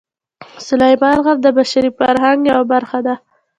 سلیمان غر د بشري فرهنګ یوه برخه ده.